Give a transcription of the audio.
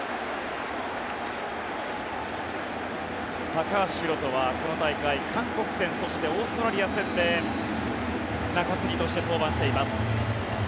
高橋宏斗はこの大会韓国戦そして、オーストラリア戦で中継ぎとして登板しています。